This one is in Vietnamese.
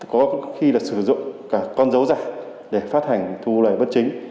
có khi là sử dụng cả con dấu giả để phát hành thu loại vất chính